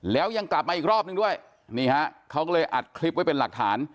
แล้วยังกลับมาอีกรอบนึงด้วยนี่ฮะเขาก็เลยอัดคลิปไว้เป็นหลักฐาน